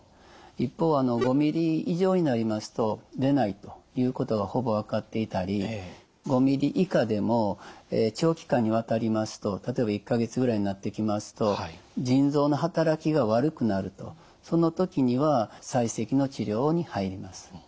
一方５ｍｍ以上になりますと出ないということがほぼ分かっていたり５ｍｍ以下でも長期間にわたりますと例えば１か月ぐらいになってきますと腎臓の働きが悪くなるとその時には砕石の治療に入ります。